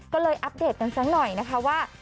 ก็เลยอัปเดตกันสักหน่อยนะคะว่า